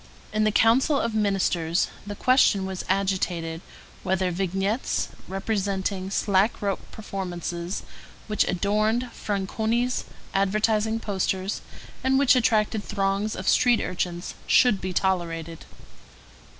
In the Council of Ministers the question was agitated whether vignettes representing slack rope performances, which adorned Franconi's advertising posters, and which attracted throngs of street urchins, should be tolerated.